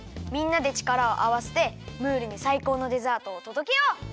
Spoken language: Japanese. みんなでちからをあわせてムールにさいこうのデザートをとどけよう！